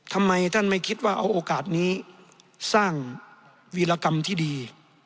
ทำไมท่านไม่คิดว่าเอาโอกาสนี้สร้างวีรกรรมที่ดี